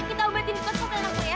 kita obatin di kot santai nangkut ya